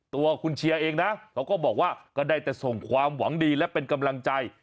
ตัวคุณเชียร์เองนะเขาก็บอกว่าก็ได้แต่ส่งความหวังดีและเป็นกำลังใจ